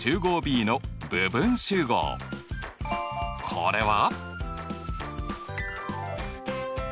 これは？